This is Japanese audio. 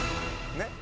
ねっ？